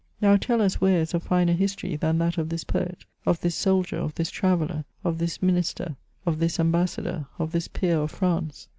Now tell us where is a finer history than that of this poet, of this soldier, of this traveller, of this minister, of this ambassador, of this peer of France.